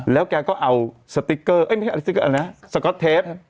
แล้วแกก็เอาสติ๊กเกอร์เอ้ยยสก็อสเทป